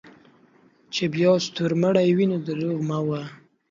چې بیا ستورمړے وې نو دروغ مه وایه